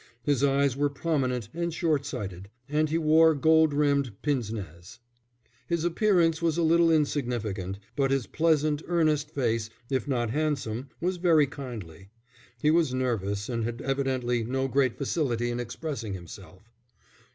His eyes were prominent and short sighted, and he wore gold rimmed pince nez. His appearance was a little insignificant, but his pleasant, earnest face, if not handsome, was very kindly. He was nervous, and had evidently no great facility in expressing himself.